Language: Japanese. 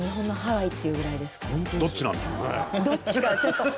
どっちなんでしょうね？